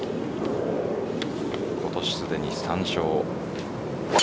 今年すでに３勝。